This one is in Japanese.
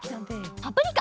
パプリカ！